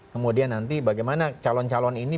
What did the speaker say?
kemudian nanti bagaimana calon calon ini